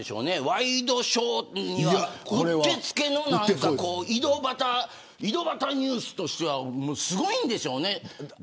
ワイドショーにはうってつけの井戸端ニュースとしてはすごいんでしょうね。